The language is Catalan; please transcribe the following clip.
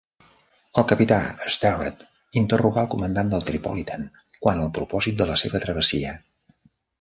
El Capità Sterret interrogà al comandant del Tripolitan quant al propòsit de la seva travessia.